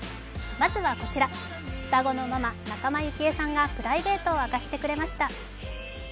まずはこちら、双子のママ仲間由紀恵さんがプライベートを明かしてくれました。